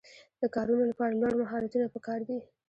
د کارونو لپاره لوړ مهارتونه پکار دي.